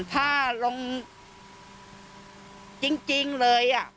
เป็นคุณพ่อเลี้ยงเดียว